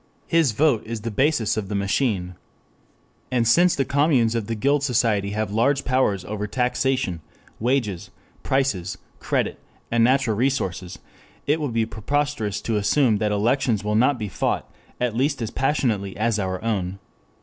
His vote is the basis of the machine. And since the communes of the guild society have large powers over taxation, wages, prices, credit, and natural resources, it would be preposterous to assume that elections will not be fought at least as passionately as our own.